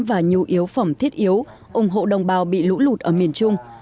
và nhu yếu phẩm thiết yếu ủng hộ đồng bào bị lũ lụt ở miền trung